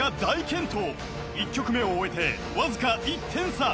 ［１曲目を終えてわずか１点差］